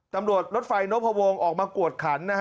ดำรวจรถไฟโนเคราะห์พอวงออกมากวดขัน